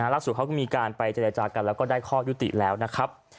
เขาก็มีการไปเจรจากันแล้วก็ได้ข้อยุติแล้วนะครับ